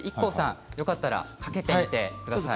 よかったらかけてみてください。